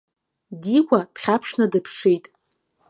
Дигәа дхьаԥшны дыԥшит.